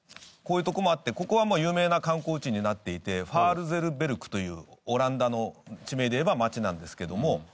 こういうとこもあってここはもう有名な観光地になっていてファールゼルベルクというオランダの地名でいえば街なんですけども。